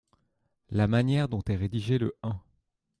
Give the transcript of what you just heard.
La manière dont est rédigé le un.